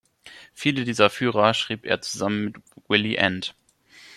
Viele dieser Führer schrieb er zusammen mit Willi End.